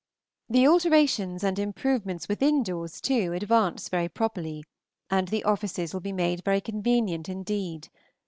The alterations and improvements within doors, too, advance very properly, and the offices will be made very convenient indeed.